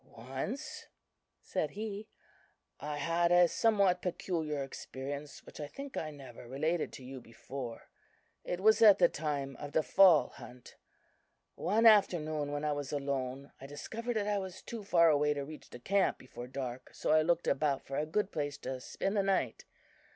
"Once," said he, "I had a somewhat peculiar experience, which I think I never related to you before. It was at the time of the fall hunt. One afternoon when I was alone I discovered that I was too far away to reach the camp before dark, so I looked about for a good place to spend the night.